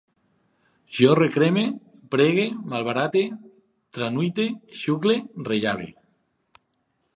Jo recreme, pregue, malbarate, tranuite, xucle, rellave